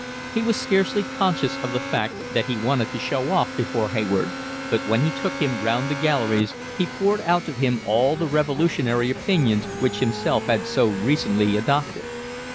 He was scarcely conscious of the fact that he wanted to show off before Hayward, but when he took him round the galleries he poured out to him all the revolutionary opinions which himself had so recently adopted.